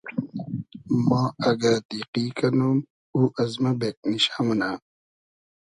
ما اگۂ دیقی کئنوم او از مۂ بېگنیشۂ مونۂ